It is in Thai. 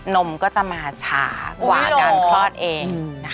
นมก็จะมาฉากว่าการคลอดเอง